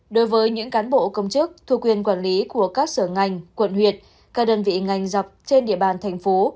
đối với những cán bộ công chức thuộc quyền quản lý của các sở ngành quận huyện các đơn vị ngành dọc trên địa bàn thành phố